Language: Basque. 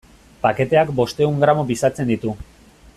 Paketeak bostehun gramo pisatzen ditu.